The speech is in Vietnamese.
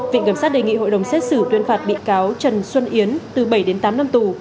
viện kiểm sát đề nghị hội đồng xét xử tuyên phạt bị cáo trần xuân yến từ bảy đến tám năm tù